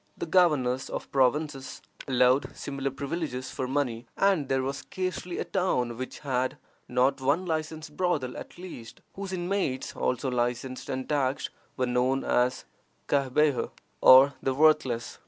The governors of provinces allowed similar privileges for money, and there was scarcely a town which had not one licensed brothel at least, whose inmates (also licensed and taxed) were known as Cahbeha, or the worthless.